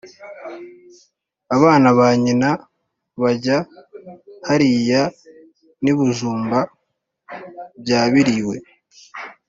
abana na nyina bajya hariya n'ibijumba byabiriwe.